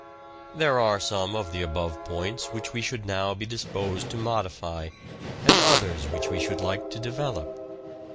There are some of the above points which we should now be disposed to modify and others which we should like to develop.